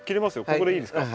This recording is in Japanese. ここでいいですか？